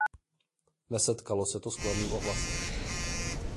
Nesetkalo se to s kladným ohlasem.